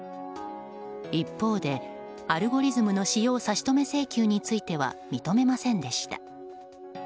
一方で、アルゴリズムの使用差し止め請求については認めませんでした。